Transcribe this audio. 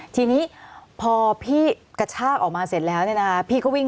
ทีนี้พอพี่กระชากออกมาเสร็จแล้วเนี่ยนะคะพี่ก็วิ่ง